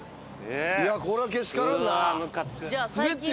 いやこれはけしからんな。